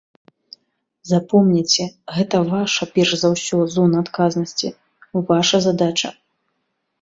Запомніце, гэта ваша, перш за ўсё, зона адказнасці, ваша задача.